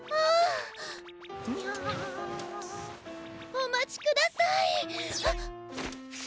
おまちください！